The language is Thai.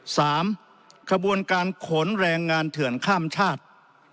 สามกระบวนการขนแรงงานเถือนข้ามชาติ